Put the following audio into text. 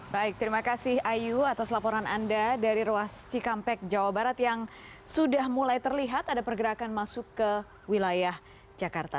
baik terima kasih ayu atas laporan anda dari ruas cikampek jawa barat yang sudah mulai terlihat ada pergerakan masuk ke wilayah jakarta